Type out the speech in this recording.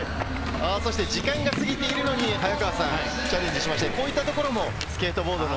時間が過ぎているのにチャレンジしまして、こういった所もスケートボードの。